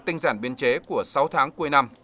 tinh giảm biên chế của sáu tháng cuối năm